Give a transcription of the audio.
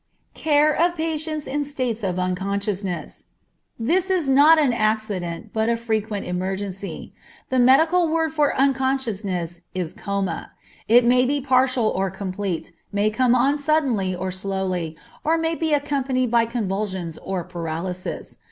Care of Patients in States of Unconsciousness. This is not an accident, but a frequent emergency. The medical word for unconsciousness is coma. It may be partial or complete, may come on suddenly or slowly, or may be accompanied by convulsions or paralysis.